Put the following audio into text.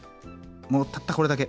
もうたったこれだけ。